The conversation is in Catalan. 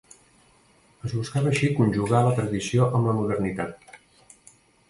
Es buscava així conjugar la tradició amb la modernitat.